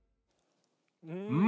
うん！